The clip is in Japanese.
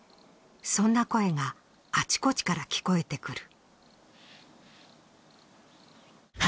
そんな声があちこちから聞こえてくる。